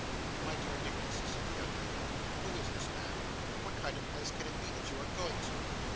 'My dear Nicholas,' said the young lady, 'who is this man? What kind of place can it be that you are going to?